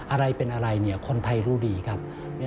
อะไรเป็นอะไรเนี่ยคนไทยรู้ดีครับ